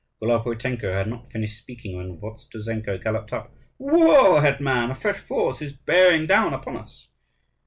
Golopuitenko had not finished speaking when Vovtuzenko galloped up: "Woe, hetman! a fresh force is bearing down upon us."